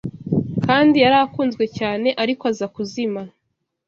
Kandi yarakunzwe cyane arko aza kuzima